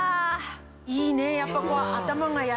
いいねやっぱ。